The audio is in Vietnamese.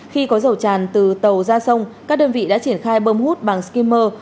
khi có dầu tràn từ tàu ra sông các đơn vị đã triển khai bơm hút bằng skymer